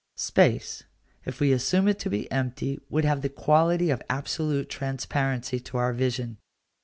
Space, if we assume it to be empty, would have the quality of absolute transparency to our vision.